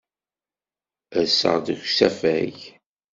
Rseɣ-d seg usafag.